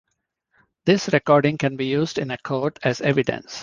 This recording can be used in a court as evidence.